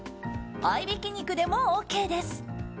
合いびき肉でもＯＫです。